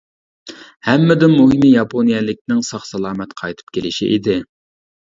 ھەممىدىن مۇھىمى ياپونىيەلىكنىڭ ساق-سالامەت قايتىپ كېلىشى ئىدى.